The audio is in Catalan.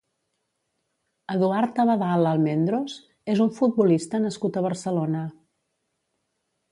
Eduard Abadal Almendros és un futbolista nascut a Barcelona.